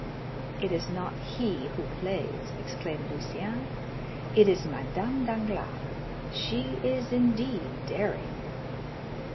"It is not he who plays!" exclaimed Lucien; "it is Madame Danglars; she is indeed daring."